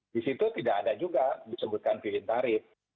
di situ tidak ada juga disebutkan fit in tarif